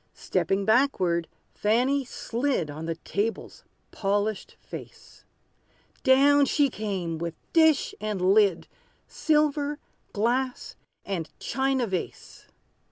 Stepping backward, Fanny slid On the table's polished face: Down she came, with dish and lid, Silver glass and china vase!